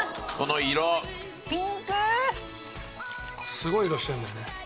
すごい色してるんだよね。